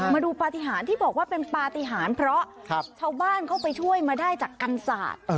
มาดูปฏิหารที่บอกว่าเป็นปฏิหารเพราะชาวบ้านเข้าไปช่วยมาได้จากกันศาสตร์